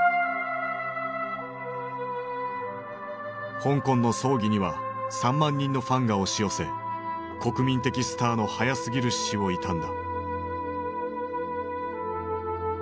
香港の葬儀には３万人のファンが押し寄せ国民的スターの早すぎる死を悼んだ。